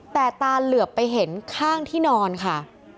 แต่ตาเหลือบไปเห็นข้างที่นอนค่ะ